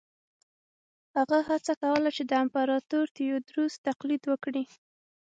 هغه هڅه کوله چې د امپراتور تیوودروس تقلید وکړي.